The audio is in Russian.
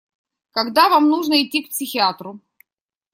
Когда вам нужно идти к психиатру?